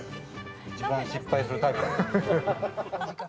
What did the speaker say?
一番失敗するタイプ。